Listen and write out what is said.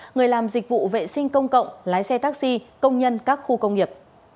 người làm dịch vụ vệ sinh công cộng lái xe taxi công nhân các khu công nghiệp